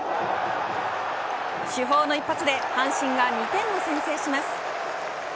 主砲の一発で阪神が２点を先制します。